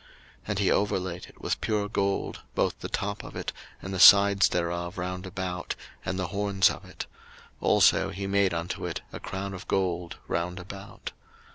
02:037:026 And he overlaid it with pure gold, both the top of it, and the sides thereof round about, and the horns of it: also he made unto it a crown of gold round about.